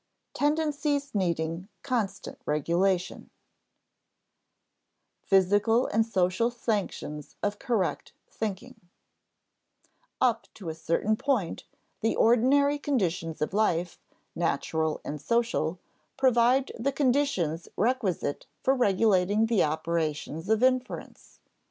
Tendencies Needing Constant Regulation [Sidenote: Physical and social sanctions of correct thinking] Up to a certain point, the ordinary conditions of life, natural and social, provide the conditions requisite for regulating the operations of inference.